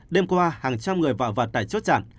đêm qua hàng trăm người vào và tải chốt chặn